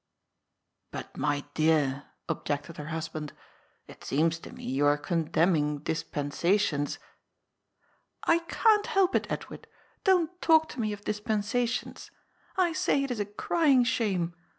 " But, my dear," objected her husband, " it seems to me you are condemning dispensations "" I can't help it, Edward ! Don't talk to me of dispen sations. I say it is a crying shame.